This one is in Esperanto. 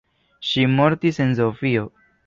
Ŝi mortis en Sofio.